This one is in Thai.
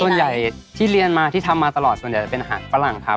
ส่วนใหญ่ที่เรียนมาที่ทำมาตลอดส่วนใหญ่จะเป็นอาหารฝรั่งครับ